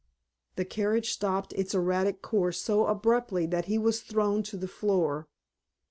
The carriage stopped its erratic course so abruptly that he was thrown to the floor.